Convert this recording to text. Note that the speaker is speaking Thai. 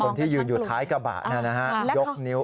คนที่ยืนอยู่ท้ายกระบะนั้นนะครับ